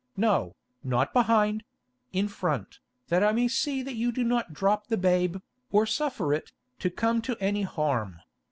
No, not behind—in front, that I may see that you do not drop the babe, or suffer it to come to any harm.